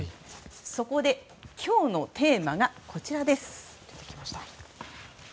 そこで、今日のテーマがこちらです。